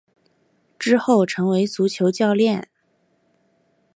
之后成为足球教练。